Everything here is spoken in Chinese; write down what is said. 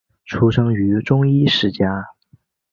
出生于中医世家。